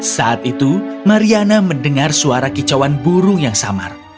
saat itu mariana mendengar suara kicauan burung yang samar